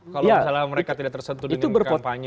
kalau misalnya mereka tidak tersentuh dengan berkampanye